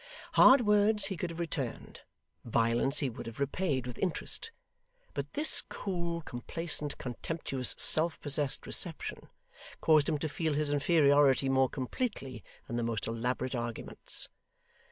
Hard words he could have returned, violence he would have repaid with interest; but this cool, complacent, contemptuous, self possessed reception, caused him to feel his inferiority more completely than the most elaborate arguments.